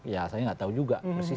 ya saya nggak tahu juga